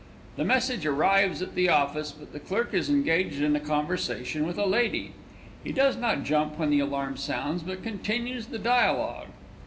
The message arrives at the office, but the clerk is engaged in conversation with a lady. He does not jump when the alarm sounds, but continues the dialogue.